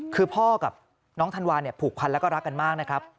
คือพ่อกับน้องธันวาเนี่ยผูกพันแล้วก็รักกันมากนะครับ